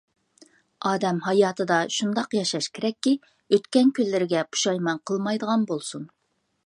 ئادەم ھاياتىدا شۇنداق ياشاش كېرەككى، ئۆتكەن كۈنلىرىگە پۇشايمان قىلمايدىغان بولسۇن!